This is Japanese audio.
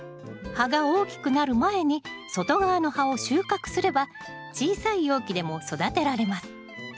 葉が大きくなる前に外側の葉を収穫すれば小さい容器でも育てられます。